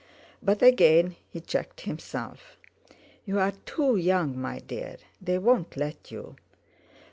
But again he checked himself. "You're too young, my dear; they won't let you."